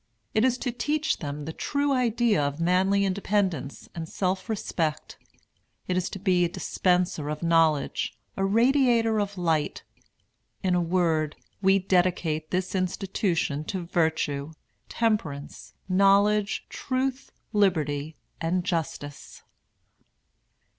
It is to teach them the true idea of manly independence and self respect. It is to be a dispenser of knowledge, a radiator of light. In a word, we dedicate this institution to virtue, temperance, knowledge, truth, liberty, and justice."